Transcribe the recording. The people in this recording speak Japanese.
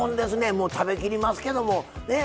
もう食べきりますけどもねえ？